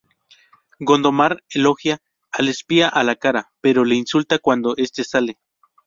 Gondomar elogia al espía a la cara, pero le insulta cuando este sale.